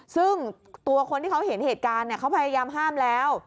ซึ่งตัวคนที่เขาเห็นเหตุการณ์เขาพยายามห้ามแล้ว